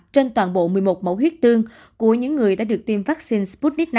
trên toàn bộ một mươi một mẫu huyết tương của những người đã được tiêm vaccine sputnik v